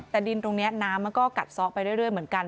แต่ดินตรงนี้น้ำมันก็กัดซ้อไปเรื่อยเหมือนกัน